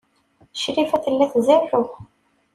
Crifa tella tzerrew.